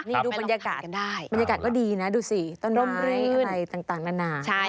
นี่ดูบรรยากาศบรรยากาศก็ดีนะดูสิต้นไม้อะไรต่างนานา